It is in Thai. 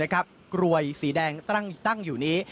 กลวยสีแดงตั้งอยู่นี้